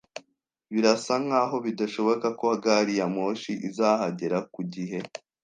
Birasa nkaho bidashoboka ko gari ya moshi izahagera ku gihe